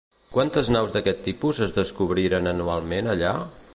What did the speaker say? Quantes naus d'aquest tipus es descobrien anualment allà?